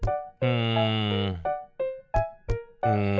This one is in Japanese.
うん。